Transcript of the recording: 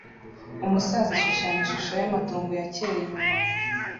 Umusaza ashushanya ishusho yamatongo ya kera inyuma